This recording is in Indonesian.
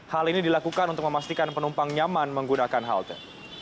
hal ini dilakukan untuk memastikan penumpang nyaman menggunakan halte